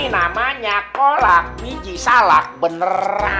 itu namanya kolak biji salak itu bunyinya